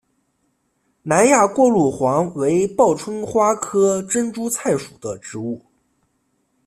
南亚过路黄为报春花科珍珠菜属的植物。